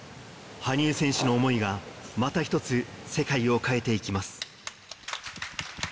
羽生選手の想いが、また一つ、世界を変えていきます。